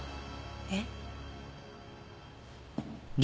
えっ？